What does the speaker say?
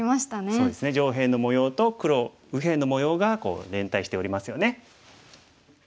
そうですね上辺の模様と黒右辺の模様が連帯しておりますよね。